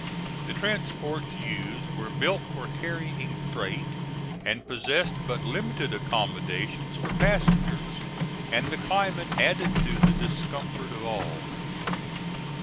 The transports used were built for carrying freight and possessed but limited accommodations for passengers, and the climate added to the discomfort of all.